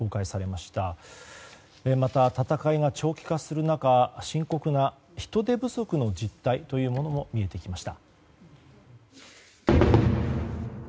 また、戦いが長期化する中深刻な人手不足の実態というものも見えてきました。